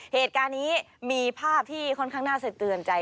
เหตุการณ์นี้มีภาพที่ค่อนข้างน่าสะเตือนใจ